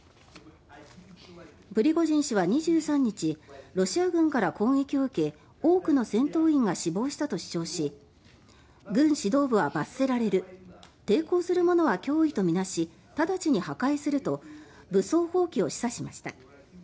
プリゴジン氏は２３日ロシア軍から攻撃を受け多くの戦闘員が死亡したと主張し軍指導部は罰せられる抵抗するものは脅威と見なし直ちに破壊すると武装蜂起を示唆しました。